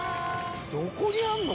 どこにあるの？